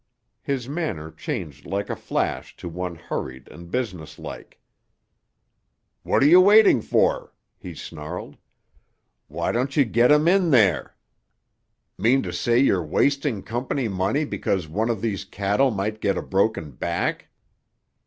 His manner changed like a flash to one hurried and business like. "What're you waiting for?" he snarled. "Why don't you get 'em in there? Mean to say you're wasting company money because one of these cattle might get a broken back?"